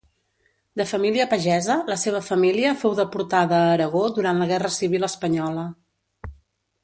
De família pagesa, la seva família fou deportada a Aragó durant la guerra civil espanyola.